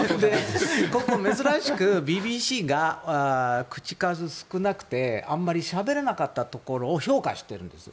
ここ、珍しくＢＢＣが口数少なくてあまりしゃべらなかったところを評価してるんです。